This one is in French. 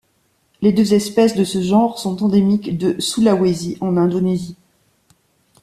Les deux espèces de ce genre sont endémiques de Sulawesi en Indonésie.